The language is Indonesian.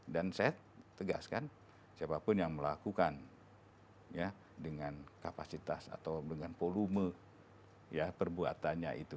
dan saya tegaskan siapa pun yang melakukan ya dengan kapasitas atau dengan volume perbuatannya itu